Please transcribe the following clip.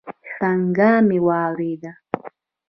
شرنگا مې واورېد.